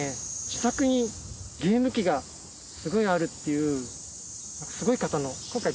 自宅にゲーム機がすごいあるっていうすごい方の。